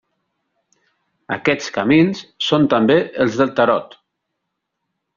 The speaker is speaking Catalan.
Aquests camins són també els del Tarot.